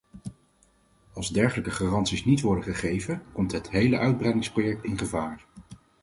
Als dergelijke garanties niet worden gegeven, komt het hele uitbreidingsproject in gevaar.